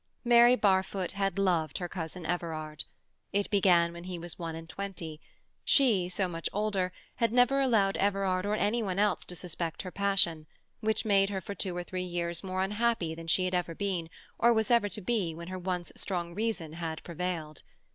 Mary Barfoot had loved her cousin Everard; it began when he was one and twenty; she, so much older, had never allowed Everard or any one else to suspect her passion, which made her for two or three years more unhappy than she had ever been, or was ever to be when once her strong reason had prevailed.